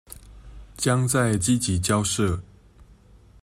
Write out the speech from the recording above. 將再積極交涉